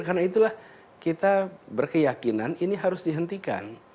karena itulah kita berkeyakinan ini harus dihentikan